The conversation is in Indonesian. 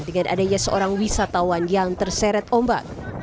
dengan adanya seorang wisatawan yang terseret ombak